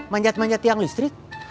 manjat manjat tiang listrik